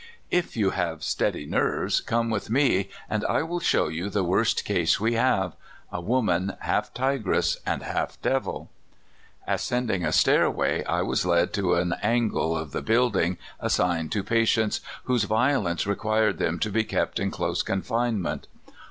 " If you have steady nerves, come with me and I will show you the worst case we have — a woman half tigress and half devil." Ascending a stairway, I was led to an angle of the building assigned to patients whose violence required them to be kept in close confinement.